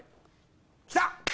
きた！